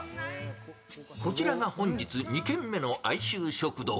こちらが本日２軒目の愛愁食堂